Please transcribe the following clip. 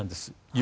夢？